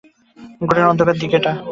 গ্রহের অন্ধকার দিক এটা।